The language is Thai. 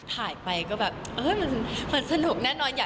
ห่ายไปน่ะก็แบบมันสะนุกแน่นอน